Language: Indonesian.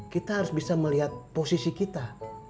kita harus bisa melihat posisi kita